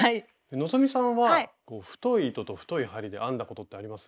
希さんは太い糸と太い針で編んだことってあります？